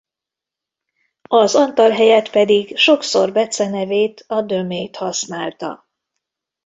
Az Antal helyett pedig sokszor becenevét a Dömét használta.